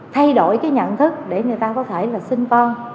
thay đổi cái nhận thức để người ta có thể là sinh con